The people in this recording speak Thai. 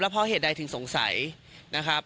เพราะเหตุใดถึงสงสัยนะครับ